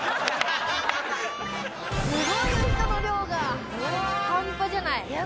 すごいよ人の量が半端じゃない。